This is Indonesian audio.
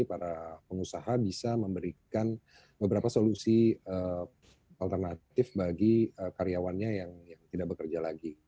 para pengusaha bisa memberikan beberapa solusi alternatif bagi karyawannya yang tidak bekerja lagi